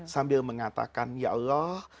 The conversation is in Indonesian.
sambil mengatakan ya allah